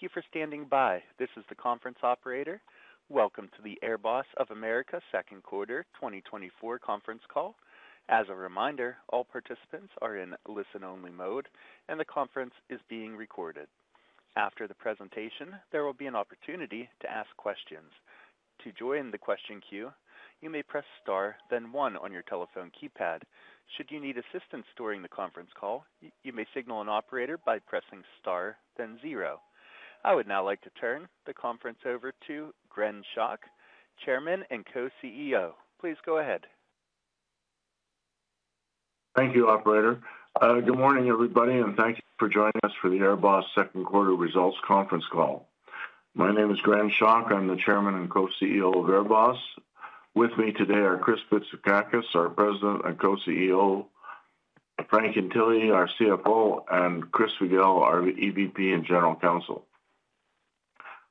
Thank you for standing by. This is the conference operator. Welcome to the AirBoss of America second quarter 2024 conference call. As a reminder, all participants are in listen-only mode, and the conference is being recorded. After the presentation, there will be an opportunity to ask questions. To join the question queue, you may press Star, then one on your telephone keypad. Should you need assistance during the conference call, you may signal an operator by pressing Star, then zero. I would now like to turn the conference over to Gren Schoch, Chairman and Co-CEO. Please go ahead. Thank you, operator. Good morning, everybody, and thank you for joining us for the AirBoss second quarter results conference call. My name is Gren Schoch. I'm the Chairman and Co-CEO of AirBoss. With me today are Chris Bitsakakis, our President and Co-CEO, Frank Lentile, our CFO, and Chris Figel, our EVP and General Counsel.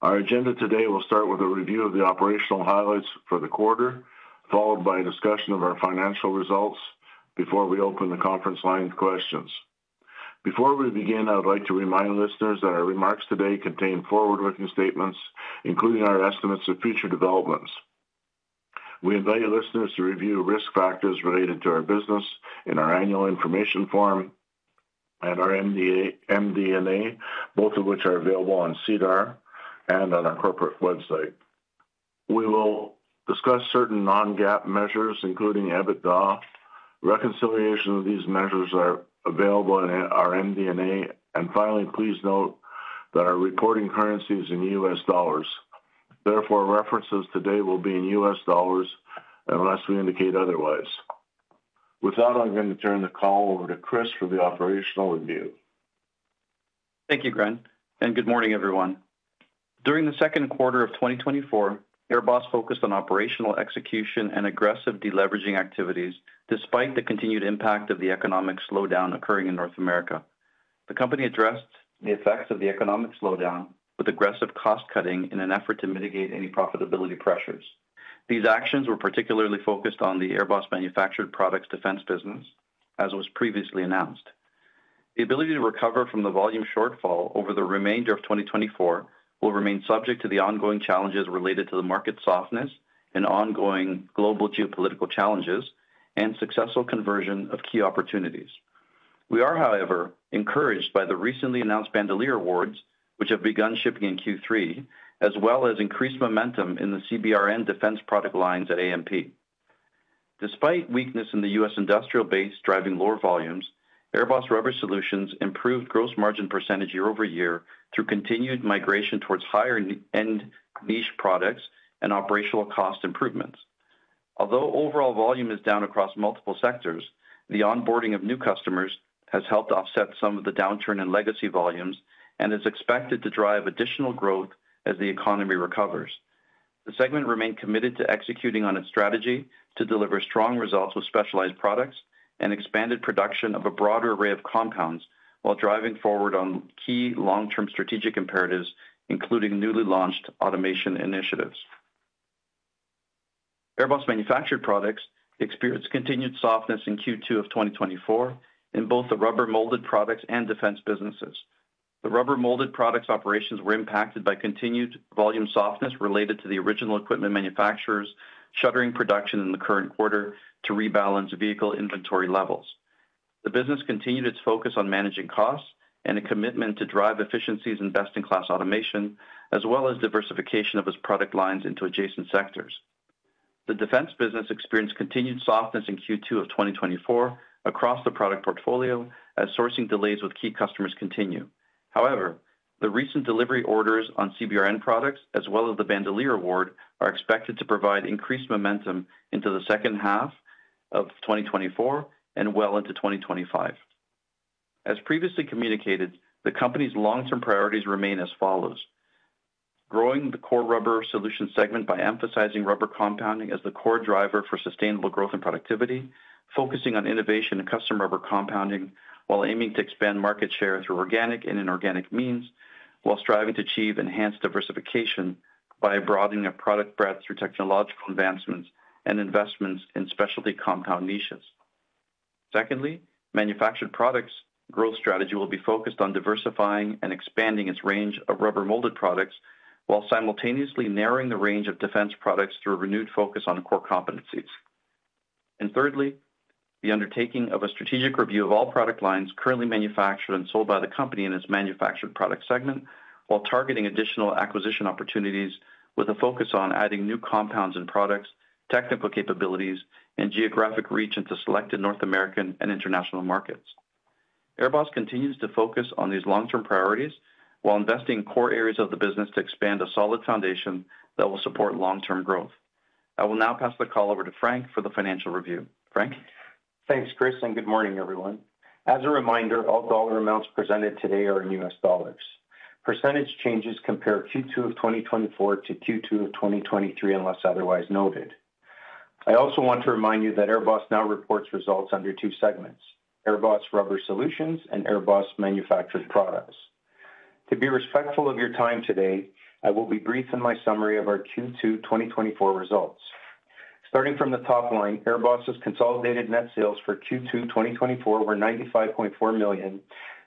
Our agenda today will start with a review of the operational highlights for the quarter, followed by a discussion of our financial results before we open the conference line to questions. Before we begin, I would like to remind listeners that our remarks today contain forward-looking statements, including our estimates of future developments. We invite listeners to review risk factors related to our business in our Annual Information Form and our MD&A, both of which are available on SEDAR and on our corporate website. We will discuss certain non-GAAP measures, including EBITDA. Reconciliation of these measures are available on our MD&A. Finally, please note that our reporting currency is in U.S. dollars. Therefore, references today will be in U.S. dollars unless we indicate otherwise. With that, I'm going to turn the call over to Chris for the operational review. Thank you, Gren, and good morning, everyone. During the second quarter of 2024, AirBoss focused on operational execution and aggressive deleveraging activities, despite the continued impact of the economic slowdown occurring in North America. The company addressed the effects of the economic slowdown with aggressive cost cutting in an effort to mitigate any profitability pressures. These actions were particularly focused on the AirBoss Manufactured Products defense business, as was previously announced. The ability to recover from the volume shortfall over the remainder of 2024 will remain subject to the ongoing challenges related to the market softness and ongoing global geopolitical challenges and successful conversion of key opportunities. We are, however, encouraged by the recently announced Bandolier awards, which have begun shipping in Q3, as well as increased momentum in the CBRN defense product lines at AMP. Despite weakness in the U.S. industrial base driving lower volumes, AirBoss Rubber Solutions improved gross margin percentage year-over-year through continued migration towards higher-end niche products and operational cost improvements. Although overall volume is down across multiple sectors, the onboarding of new customers has helped offset some of the downturn in legacy volumes and is expected to drive additional growth as the economy recovers. The segment remained committed to executing on its strategy to deliver strong results with specialized products and expanded production of a broader array of compounds while driving forward on key long-term strategic imperatives, including newly launched automation initiatives. AirBoss Manufactured Products experienced continued softness in Q2 of 2024 in both the rubber molded products and defense businesses. The rubber molded products operations were impacted by continued volume softness related to the original equipment manufacturers shuttering production in the current quarter to rebalance vehicle inventory levels. The business continued its focus on managing costs and a commitment to drive efficiencies and best-in-class automation, as well as diversification of its product lines into adjacent sectors. The defense business experienced continued softness in Q2 of 2024 across the product portfolio as sourcing delays with key customers continue. However, the recent delivery orders on CBRN products, as well as the Bandolier award, are expected to provide increased momentum into the second half of 2024 and well into 2025. As previously communicated, the company's long-term priorities remain as follows: growing the core rubber solution segment by emphasizing rubber compounding as the core driver for sustainable growth and productivity, focusing on innovation and customer rubber compounding, while aiming to expand market share through organic and inorganic means, while striving to achieve enhanced diversification by broadening a product breadth through technological advancements and investments in specialty compound niches. Secondly, Manufactured Products growth strategy will be focused on diversifying and expanding its range of rubber molded products, while simultaneously narrowing the range of defense products through a renewed focus on core competencies. And thirdly, the undertaking of a strategic review of all product lines currently manufactured and sold by the company in its manufactured product segment, while targeting additional acquisition opportunities with a focus on adding new compounds and products, technical capabilities, and geographic reach into selected North American and international markets. AirBoss continues to focus on these long-term priorities while investing in core areas of the business to expand a solid foundation that will support long-term growth. I will now pass the call over to Frank for the financial review. Frank? Thanks, Chris, and good morning, everyone. As a reminder, all dollar amounts presented today are in US dollars. Percentage changes compare Q2 of 2024 to Q2 of 2023, unless otherwise noted. I also want to remind you that AirBoss now reports results under two segments, AirBoss Rubber Solutions and AirBoss Manufactured Products. To be respectful of your time today, I will be brief in my summary of our Q2 2024 results. ... Starting from the top line, AirBoss's consolidated net sales for Q2 2024 were $95.4 million,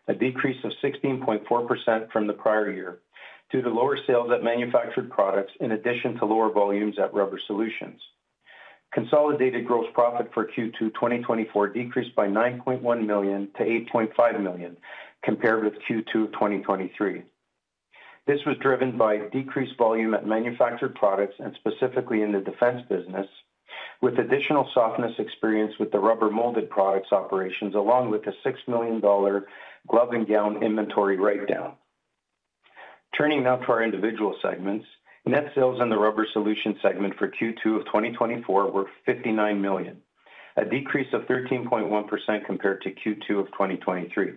a decrease of 16.4% from the prior year, due to lower sales at manufactured products, in addition to lower volumes at Rubber Solutions. Consolidated gross profit for Q2 2024 decreased by $9.1 million to $8.5 million, compared with Q2 2023. This was driven by decreased volume at manufactured products, and specifically in the defense business, with additional softness experienced with the rubber molded products operations, along with a $6 million glove and gown inventory write-down. Turning now to our individual segments. Net sales in the Rubber Solutions segment for Q2 of 2024 were $59 million, a decrease of 13.1% compared to Q2 of 2023.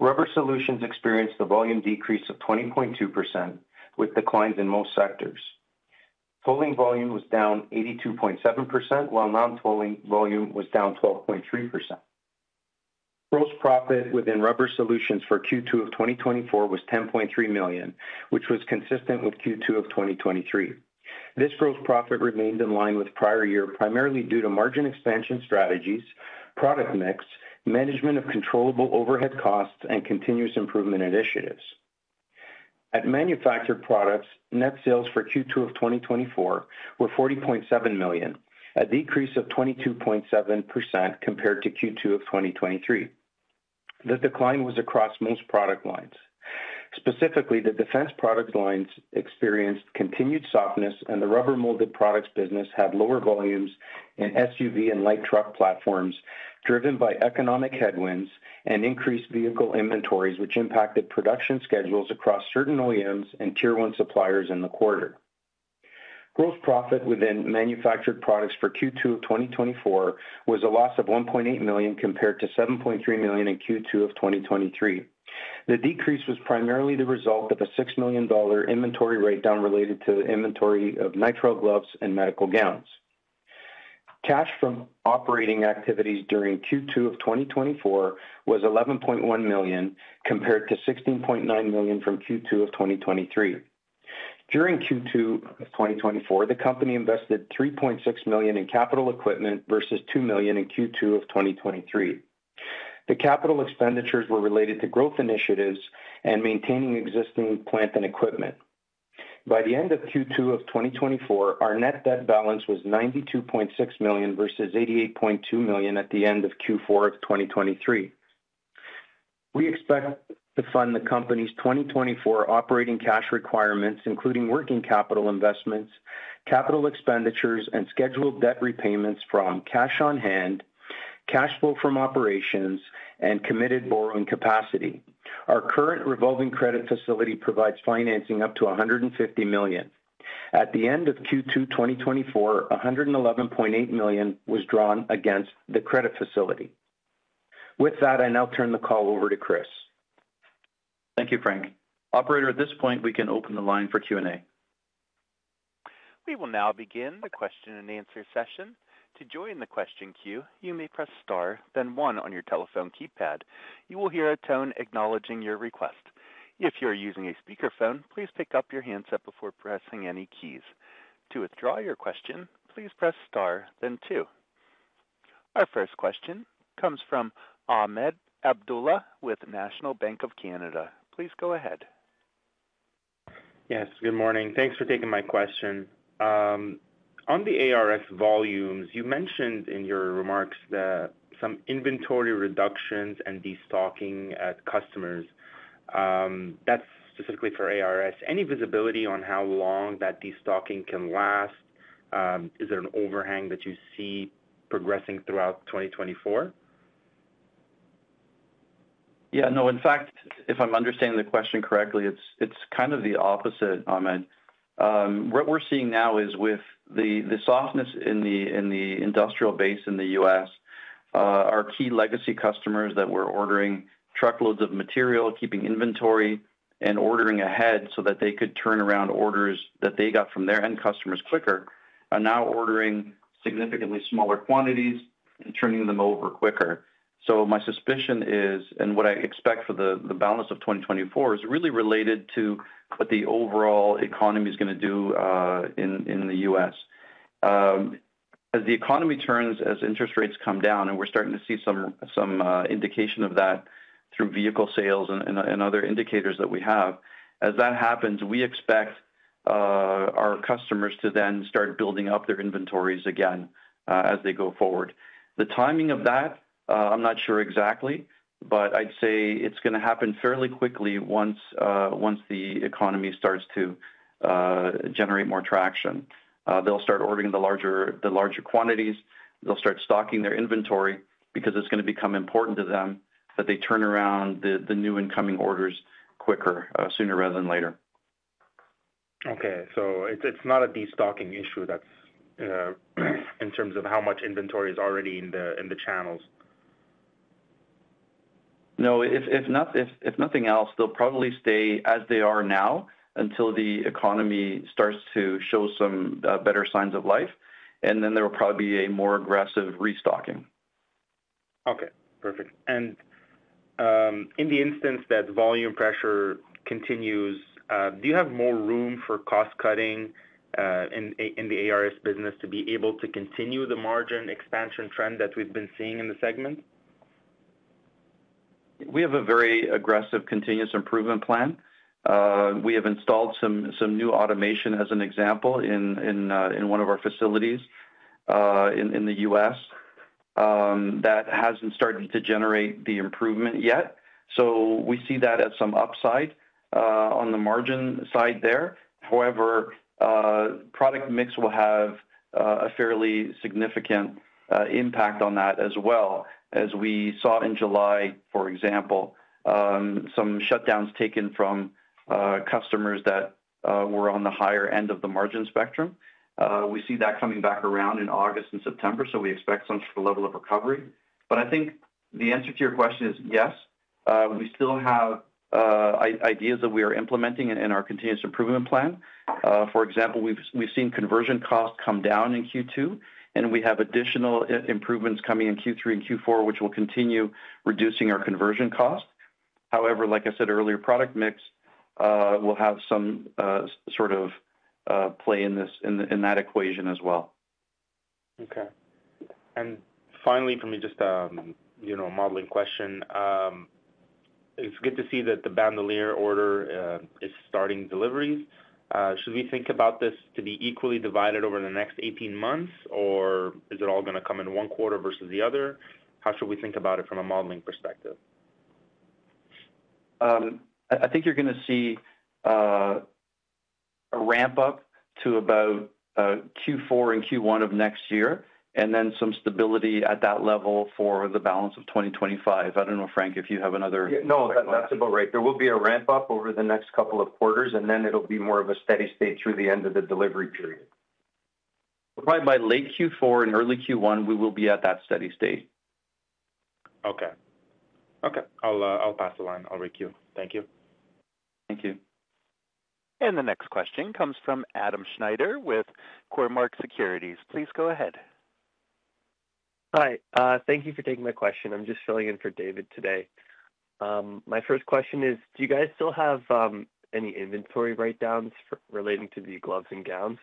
Rubber Solutions experienced a volume decrease of 20.2%, with declines in most sectors. Tolling volume was down 82.7%, while non-tolling volume was down 12.3%. Gross profit within Rubber Solutions for Q2 of 2024 was $10.3 million, which was consistent with Q2 of 2023. This gross profit remained in line with prior year, primarily due to margin expansion strategies, product mix, management of controllable overhead costs, and continuous improvement initiatives. At manufactured products, net sales for Q2 of 2024 were $40.7 million, a decrease of 22.7% compared to Q2 of 2023. The decline was across most product lines. Specifically, the defense product lines experienced continued softness, and the rubber molded products business had lower volumes in SUV and light truck platforms, driven by economic headwinds and increased vehicle inventories, which impacted production schedules across certain OEMs and Tier One suppliers in the quarter. Gross profit within manufactured products for Q2 of 2024 was a loss of $1.8 million, compared to $7.3 million in Q2 of 2023. The decrease was primarily the result of a $6 million inventory write-down related to the inventory of nitrile gloves and medical gowns. Cash from operating activities during Q2 of 2024 was $11.1 million, compared to $16.9 million from Q2 of 2023. During Q2 of 2024, the company invested $3.6 million in capital equipment versus $2 million in Q2 of 2023. The capital expenditures were related to growth initiatives and maintaining existing plant and equipment. By the end of Q2 of 2024, our net debt balance was $92.6 million versus $88.2 million at the end of Q4 of 2023. We expect to fund the company's 2024 operating cash requirements, including working capital investments, capital expenditures, and scheduled debt repayments from cash on hand, cash flow from operations, and committed borrowing capacity. Our current revolving credit facility provides financing up to $150 million. At the end of Q2 2024, $111.8 million was drawn against the credit facility. With that, I now turn the call over to Chris. Thank you, Frank. Operator, at this point, we can open the line for Q&A. We will now begin the question-and-answer session. To join the question queue, you may press star, then one on your telephone keypad. You will hear a tone acknowledging your request. If you are using a speakerphone, please pick up your handset before pressing any keys. To withdraw your question, please press star then two. Our first question comes from Ahmed Abdullah with National Bank of Canada. Please go ahead. Yes, good morning. Thanks for taking my question. On the ARF volumes, you mentioned in your remarks that some inventory reductions and destocking at customers, that's specifically for ARS. Any visibility on how long that destocking can last? Is there an overhang that you see progressing throughout 2024? Yeah, no. In fact, if I'm understanding the question correctly, it's kind of the opposite, Ahmed. What we're seeing now is with the softness in the industrial base in the U.S., our key legacy customers that were ordering truckloads of material, keeping inventory, and ordering ahead so that they could turn around orders that they got from their end customers quicker, are now ordering significantly smaller quantities and turning them over quicker. So my suspicion is, and what I expect for the balance of 2024, is really related to what the overall economy is gonna do, in the U.S. As the economy turns, as interest rates come down, and we're starting to see some indication of that through vehicle sales and other indicators that we have. As that happens, we expect our customers to then start building up their inventories again as they go forward. The timing of that, I'm not sure exactly, but I'd say it's gonna happen fairly quickly once once the economy starts to generate more traction. They'll start ordering the larger, the larger quantities. They'll start stocking their inventory because it's gonna become important to them that they turn around the the new incoming orders quicker sooner rather than later. Okay. So it's, it's not a destocking issue that's in terms of how much inventory is already in the channels. No, if not—if nothing else, they'll probably stay as they are now until the economy starts to show some better signs of life, and then there will probably be a more aggressive restocking.... Okay, perfect. And in the instance that volume pressure continues, do you have more room for cost-cutting in the ARS business to be able to continue the margin expansion trend that we've been seeing in the segment? We have a very aggressive continuous improvement plan. We have installed some new automation, as an example, in one of our facilities in the U.S. That hasn't started to generate the improvement yet, so we see that as some upside on the margin side there. However, product mix will have a fairly significant impact on that as well. As we saw in July, for example, some shutdowns taken from customers that were on the higher end of the margin spectrum. We see that coming back around in August and September, so we expect some level of recovery. But I think the answer to your question is yes, we still have ideas that we are implementing in our continuous improvement plan. For example, we've seen conversion costs come down in Q2, and we have additional improvements coming in Q3 and Q4, which will continue reducing our conversion costs. However, like I said earlier, product mix will have some sort of play in this, in that equation as well. Okay. Finally, for me, just, you know, a modeling question. It's good to see that the Bandolier order is starting deliveries. Should we think about this to be equally divided over the next 18 months, or is it all gonna come in one quarter versus the other? How should we think about it from a modeling perspective? I think you're gonna see a ramp-up to about Q4 and Q1 of next year, and then some stability at that level for the balance of 2025. I don't know, Frank, if you have another- No, that's about right. There will be a ramp-up over the next couple of quarters, and then it'll be more of a steady state through the end of the delivery period. Probably by late Q4 and early Q1, we will be at that steady state. Okay. Okay. I'll pass the line. I'll requeue. Thank you. Thank you. The next question comes from Adam Schneider with Cormark Securities. Please go ahead. Hi, thank you for taking my question. I'm just filling in for David today. My first question is, do you guys still have any inventory write-downs relating to the gloves and gowns?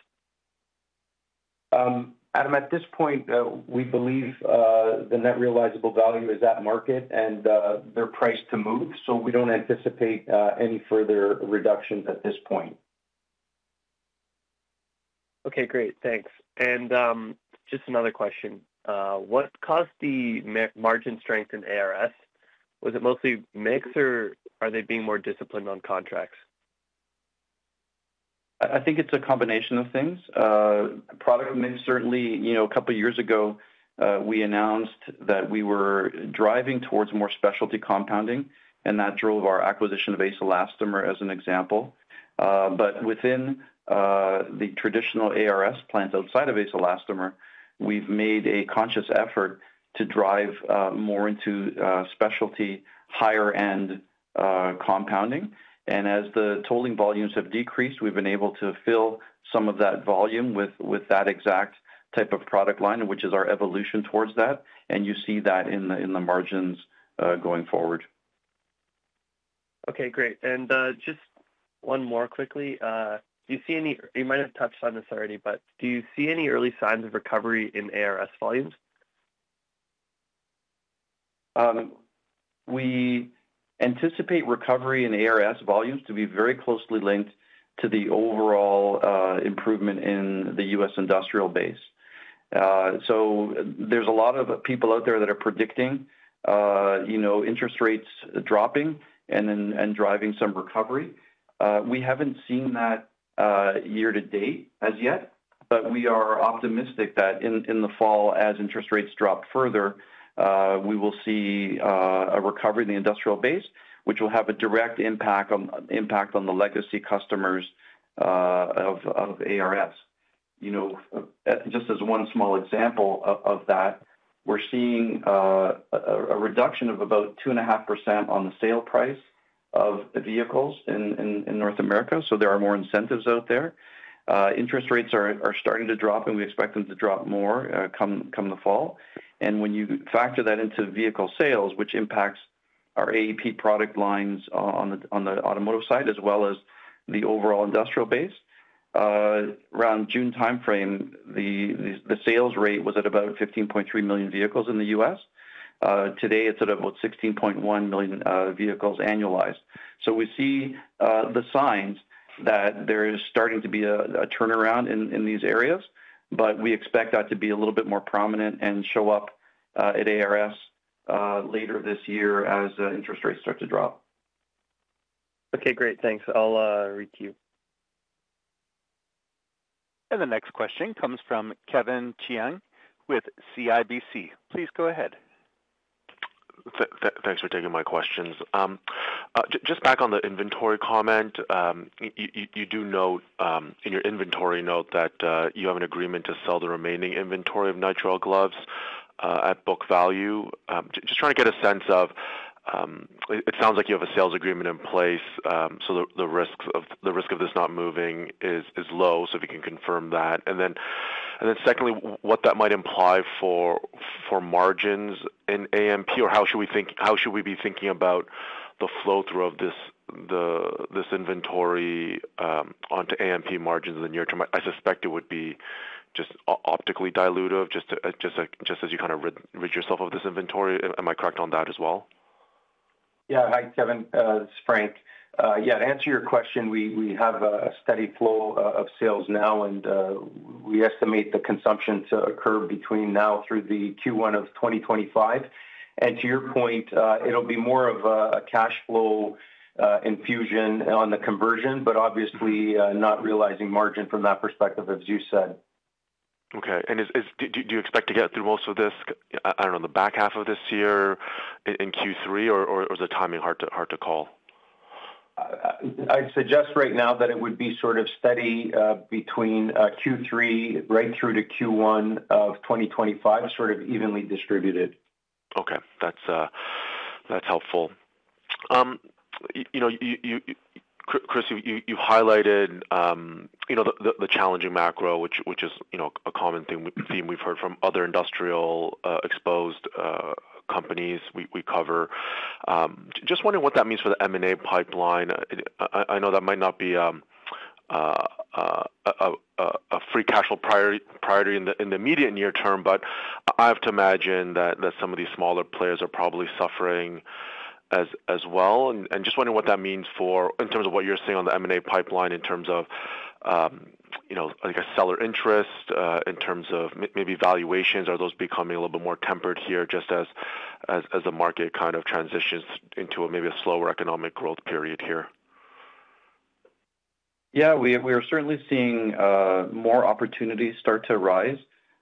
Adam, at this point, we believe the net realizable value is at market and they're priced to move, so we don't anticipate any further reductions at this point. Okay, great. Thanks. And just another question: What caused the margin strength in ARS? Was it mostly mix, or are they being more disciplined on contracts? I think it's a combination of things. Product mix, certainly. You know, a couple of years ago, we announced that we were driving towards more specialty compounding, and that drove our acquisition of Ace Elastomer as an example. But within the traditional ARS plant outside of Ace Elastomer, we've made a conscious effort to drive more into specialty, higher-end compounding. And as the tolling volumes have decreased, we've been able to fill some of that volume with that exact type of product line, which is our evolution towards that, and you see that in the margins going forward. Okay, great. And, just one more quickly. Do you see any... You might have touched on this already, but do you see any early signs of recovery in ARS volumes? We anticipate recovery in ARS volumes to be very closely linked to the overall improvement in the US industrial base. So there's a lot of people out there that are predicting, you know, interest rates dropping and driving some recovery. We haven't seen that year to date as yet, but we are optimistic that in the fall, as interest rates drop further, we will see a recovery in the industrial base, which will have a direct impact on the legacy customers of ARS. You know, just as one small example of that, we're seeing a reduction of about 2.5% on the sale price of the vehicles in North America, so there are more incentives out there. Interest rates are starting to drop, and we expect them to drop more come the fall. When you factor that into vehicle sales, which impacts our AEP product lines on the automotive side, as well as the overall industrial base, around June timeframe, the sales rate was at about 15.3 million vehicles in the U.S. Today, it's at about 16.1 million vehicles annualized. So we see the signs that there is starting to be a turnaround in these areas, but we expect that to be a little bit more prominent and show up at ARS later this year as interest rates start to drop. Okay, great. Thanks. I'll requeue. The next question comes from Kevin Chiang with CIBC. Please go ahead. Thanks for taking my questions. Just back on the inventory comment, you do note in your inventory note that you have an agreement to sell the remaining inventory of nitrile gloves at book value. Just trying to get a sense of... it sounds like you have a sales agreement in place, so the risk of this not moving is low, so if you can confirm that. And then secondly, what that might imply for margins in AMP, or how should we be thinking about the flow-through of this inventory onto AMP margins in the near term? I suspect it would be just optically dilutive, just as you kind of rid yourself of this inventory. Am I correct on that as well? Yeah. Hi, Kevin. It's Frank. Yeah, to answer your question, we have a steady flow of sales now, and we estimate the consumption to occur between now through the Q1 of 2025. And to your point, it'll be more of a cash flow infusion on the conversion, but obviously, not realizing margin from that perspective, as you said. Okay. And is—do you expect to get through most of this, I don't know, in the back half of this year, in Q3, or is the timing hard to call? I'd suggest right now that it would be sort of steady between Q3 right through to Q1 of 2025, sort of evenly distributed. Okay. That's that's helpful. You know, you, you, you Chris, you, you, you highlighted you know, the the the challenging macro, which which is, you know, a common theme theme we've heard from other industrial exposed companies we we cover. Just wondering what that means for the M&A pipeline. I I I know that might not be a a a free cash flow priority priority in the in the immediate near term, but I have to imagine that that some of these smaller players are probably suffering as as well. And and just wondering what that means for, in terms of what you're seeing on the M&A pipeline, in terms of you know, I guess, seller interest uh, in terms of maybe valuations. Are those becoming a little bit more tempered here, just as the market kind of transitions into maybe a slower economic growth period here? Yeah, we are certainly seeing more opportunities start to rise,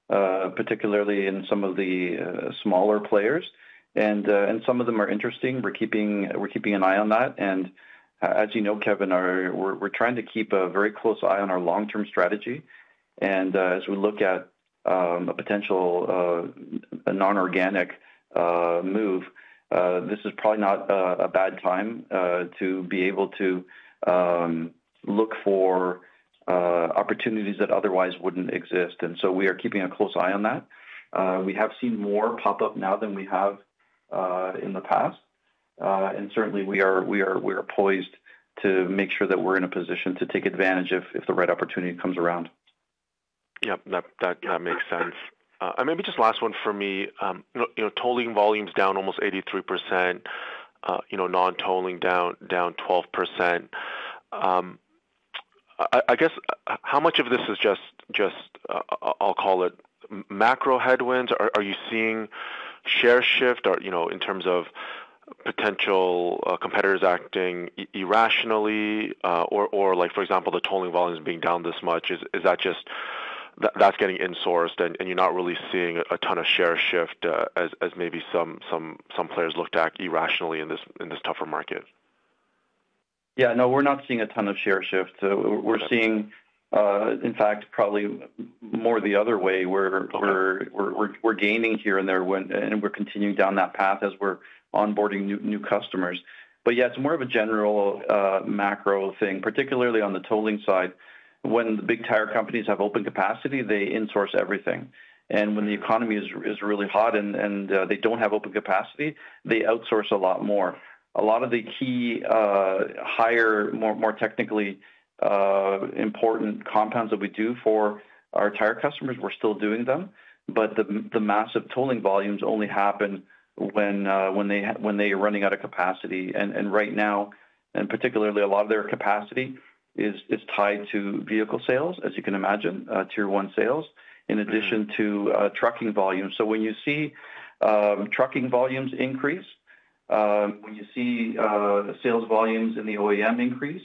particularly in some of the smaller players, and some of them are interesting. We're keeping an eye on that, and as you know, Kevin, we're trying to keep a very close eye on our long-term strategy. And as we look at a potential nonorganic move, this is probably not a bad time to be able to look for opportunities that otherwise wouldn't exist, and so we are keeping a close eye on that. We have seen more pop up now than we have in the past. And certainly, we are poised to make sure that we're in a position to take advantage if the right opportunity comes around. Yep, that, that kind of makes sense. And maybe just last one for me. You know, tolling volume's down almost 83%, you know, non-tolling down 12%. I guess, how much of this is just, just, I'll call it macro headwinds? Are you seeing share shift or, you know, in terms of potential, competitors acting irrationally? Or like, for example, the tolling volumes being down this much, is that just... That's getting insourced, and you're not really seeing a ton of share shift, as maybe some players looked at irrationally in this tougher market? Yeah. No, we're not seeing a ton of share shift. We're seeing, in fact, probably more the other way, where we're gaining here and there, and we're continuing down that path as we're onboarding new customers. But yeah, it's more of a general macro thing, particularly on the tolling side. When the big tire companies have open capacity, they insource everything, and when the economy is really hot and they don't have open capacity, they outsource a lot more. A lot of the key higher, more technically important compounds that we do for our tire customers, we're still doing them, but the massive tolling volumes only happen when they are running out of capacity. Right now, particularly a lot of their capacity is tied to vehicle sales, as you can imagine, Tier one sales, in addition to, trucking volumes. So when you see, trucking volumes increase, when you see, sales volumes in the OEM increase,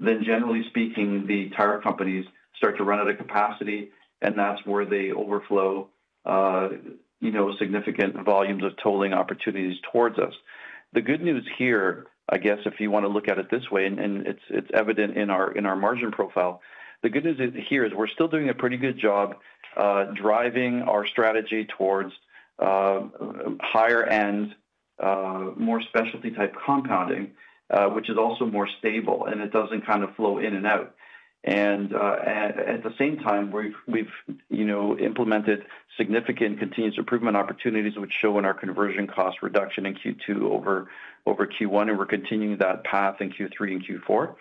then generally speaking, the tire companies start to run out of capacity, and that's where they overflow, you know, significant volumes of tolling opportunities towards us. The good news here, I guess, if you want to look at it this way, and it's evident in our margin profile. The good news is we're still doing a pretty good job, driving our strategy towards higher end, more specialty-type compounding, which is also more stable, and it doesn't kind of flow in and out. At the same time, we've implemented significant continuous improvement opportunities which show in our conversion cost reduction in Q2 over Q1, and we're continuing that path in Q3 and Q4.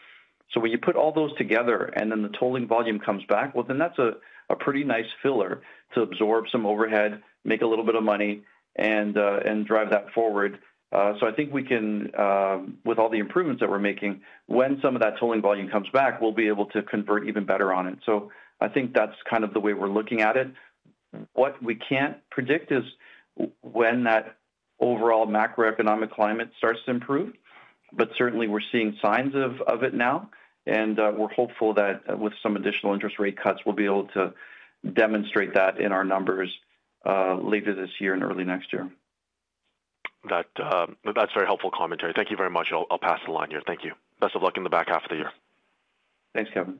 So when you put all those together and then the tolling volume comes back, well, then that's a pretty nice filler to absorb some overhead, make a little bit of money, and drive that forward. So I think we can, with all the improvements that we're making, when some of that tolling volume comes back, we'll be able to convert even better on it. So I think that's kind of the way we're looking at it. What we can't predict is when that overall macroeconomic climate starts to improve, but certainly we're seeing signs of it now, and we're hopeful that with some additional interest rate cuts, we'll be able to demonstrate that in our numbers later this year and early next year. That, that's very helpful commentary. Thank you very much. I'll pass the line here. Thank you. Best of luck in the back half of the year. Thanks, Kevin.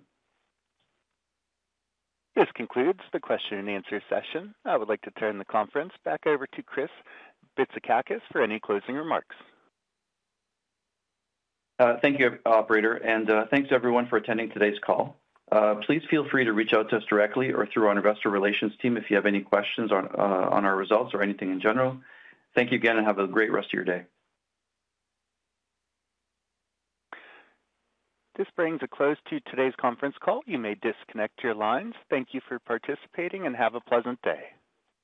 This concludes the question and answer session. I would like to turn the conference back over to Chris Bitsakakis for any closing remarks. Thank you, operator, and thanks, everyone, for attending today's call. Please feel free to reach out to us directly or through our investor relations team if you have any questions on our results or anything in general. Thank you again, and have a great rest of your day. This brings a close to today's conference call. You may disconnect your lines. Thank you for participating, and have a pleasant day.